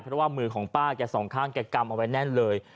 เพราะว่ามือของป้าขังทางก็ใกล้กำเอาไว้แน่นเลย